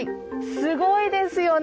すごいですよね。